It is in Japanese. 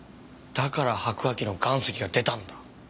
だから白亜紀の岩石が出たんだ。